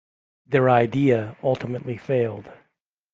Their idea ultimately failed.